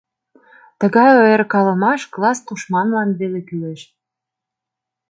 Тыгай ойыркалымаш класс тушманлан веле кӱлеш.